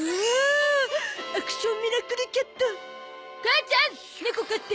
母ちゃん猫飼って。